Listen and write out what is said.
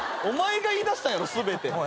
お前が言いだしたんやろ全て。